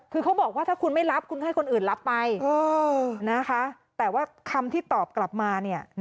คือเขาบอกว่าถ้าคุณไม่รับคุณให้คนอื่นรับไปนะคะแต่ว่าคำที่ตอบกลับมาเนี่ย